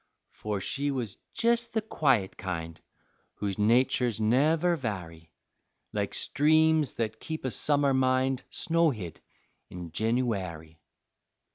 For she was jes' the quiet kind Whose naturs never vary, Like streams that keep a summer mind Snowhid in Jenooary.